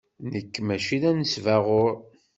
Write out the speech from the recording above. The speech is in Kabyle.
Nekk maci d anesbaɣur.